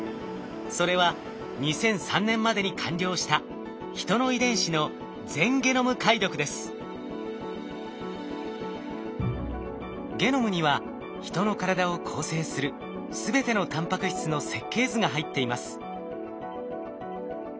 それは２００３年までに完了した人の遺伝子のゲノムには人の体を構成する全てのタンパク質の設計図が入っています。